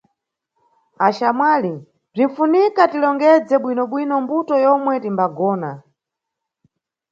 Axamwali, bzinʼfunika tilongedze bwinobwino mbuto yomwe timbagona.